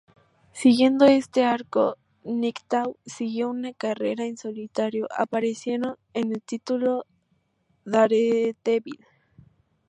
Siguiendo este arco, Nighthawk siguió una carrera en solitario, apareciendo en el título "Daredevil".